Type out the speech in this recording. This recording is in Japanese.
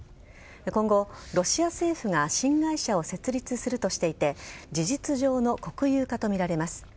今後、ロシア政府が新会社を設立するとしていて事実上の国有化とみられます。